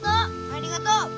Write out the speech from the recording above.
ありがとう。